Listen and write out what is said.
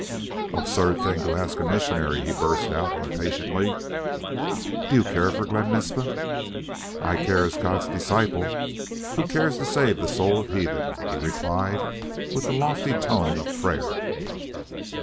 "Absurd thing to ask a missionary!" he burst out, impatiently. "Do you care for Glen Naspa?" "I care as God's disciple who cares to save the soul of heathen," he replied, with the lofty tone of prayer.